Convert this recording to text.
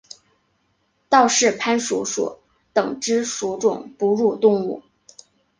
道氏攀鼠属等之数种哺乳动物。